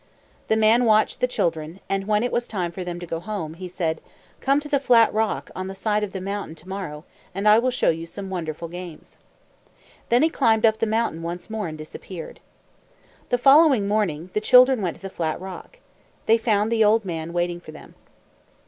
The man watched the children, and when it was time for them to go home, he said, "Come to the flat rock on the side of the mountain to morrow, and I will show you some wonderful games." Then he climbed up the mountain once more and disappeared. The following morning, the children went to the flat rock. They found the old man waiting for them.